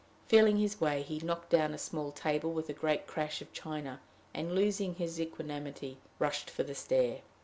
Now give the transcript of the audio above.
Feeling his way, he knocked down a small table with a great crash of china, and, losing his equanimity, rushed for the stair.